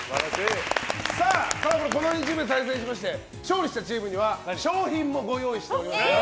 この２チームで対戦しまして勝利したチームには賞品もご用意しております。